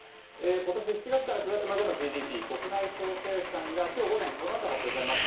ことし７月から９月までのＧＤＰ・国内総生産がきょう午前、このあと発表されます。